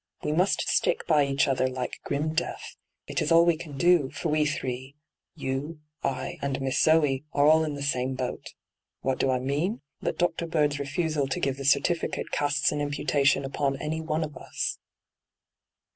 ' We must stick by each other like grim death. It is all we can do, for we three — ^you, I, and Miss Zoe — are all in the same boat. What do I mean ? That Dr. Bird's refusal to give the certificate casts an imputation upon ■ any one of us.'